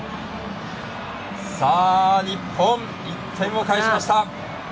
日本、１点を返しました。